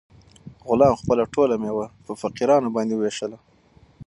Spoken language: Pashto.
غلام خپله ټوله مېوه په فقیرانو باندې وویشله.